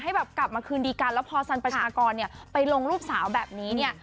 ให้กลับมาคืนดีกันแล้วพอสรรพชากรไปลงรูปสาวแบบนี้